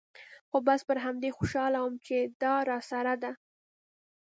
خو بس پر همدې خوشاله وم چې دا راسره ده.